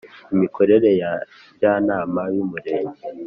Imikorere ya Njyanama y umurenge